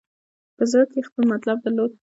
په زړه کې یې خپل مطلب درلود.